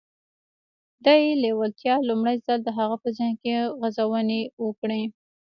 دې لېوالتیا لومړی ځل د هغه په ذهن کې غځونې وکړې.